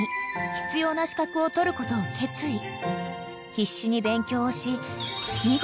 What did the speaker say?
［必死に勉強をし見事］